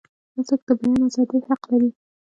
هرڅوک د بیان ازادۍ حق لري.